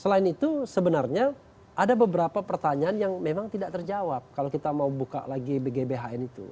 selain itu sebenarnya ada beberapa pertanyaan yang memang tidak terjawab kalau kita mau buka lagi bgbhn itu